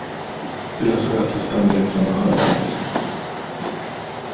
Los gatos también son adorables.